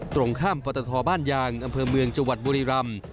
ตรงข้ามปตทบ้านยางอำเภอเมืองจังหวัดบุรีรำ